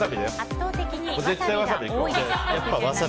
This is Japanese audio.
圧倒的にワサビが多いです。